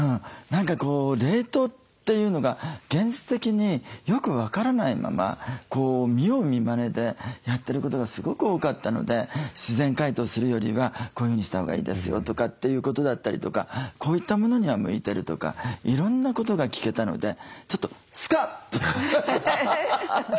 何か冷凍というのが現実的によく分からないまま見よう見まねでやってることがすごく多かったので自然解凍するよりはこういうふうにしたほうがいいですよとかっていうことだったりとかこういったものには向いてるとかいろんなことが聞けたのでちょっとちょっと気分が晴れたわ。